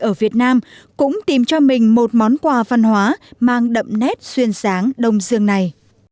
ở việt nam cũng tìm cho mình một món quà văn hóa mang đậm nét duyên dáng đông dương này